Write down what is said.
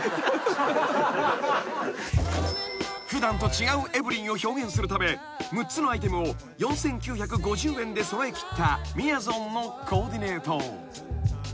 ［普段と違うエブリンを表現するため６つのアイテムを４，９５０円で揃えきったみやぞんのコーディネート］